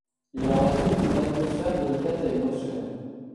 Il en résulte une atmosphère délicate et émotionnelle.